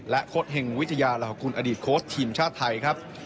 และโฆษท์แห่งวิจิยาราคุณอดีตโค้ชทีมชาติไทยครับ